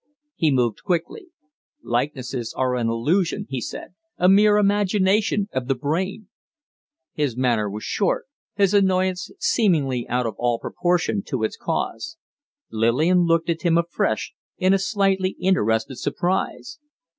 He moved quickly. "Likenesses are an illusion," he said, "a mere imagination of the brain!" His manner was short; his annoyance seemingly out of all proportion to its cause. Lillian looked at him afresh in slightly interested surprise.